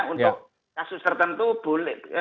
untuk kasus tertentu bunuh